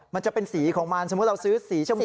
มันจะเป็นสีของมันสมมุติเราซื้อสีชมพู